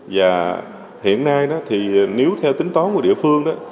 và hiện nay nếu theo tính tón của địa phương